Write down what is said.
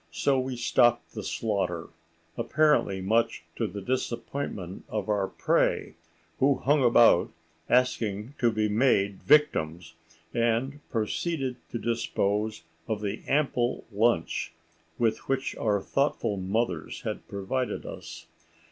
So we stopped the slaughter—apparently much to the disappointment of our prey, who hung about asking to be made victims—and proceeded to dispose of the ample lunch with which our thoughtful mothers had provided us.